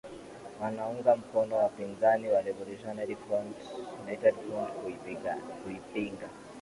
wanaunga mkono wapiganaji wa Revolutionary United Front kuipinga